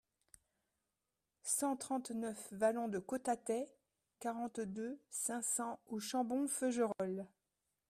cent trente-neuf vallon de Cotatay, quarante-deux, cinq cents au Chambon-Feugerolles